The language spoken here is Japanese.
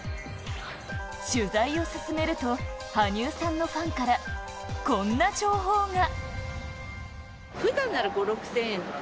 取材を進めると、羽生さんのファンから、こんな情報が。